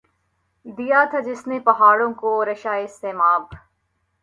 دیا تھا جس نے پہاڑوں کو رعشۂ سیماب